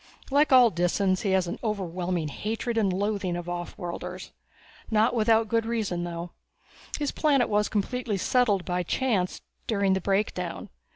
Like all Disans, he has an overwhelming hatred and loathing of offworlders. Not without good reason, though. His planet was settled completely by chance during the Breakdown.